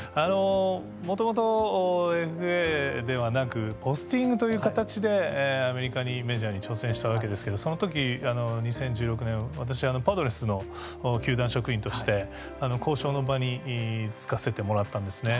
もともとＦＡではなくポスティングという形でアメリカにメジャーに挑戦したわけですけどそのとき２０１６年私パドレスの球団職員として交渉の場につかせてもらったんですね。